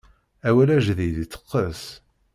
Awal ajdid iteqqes.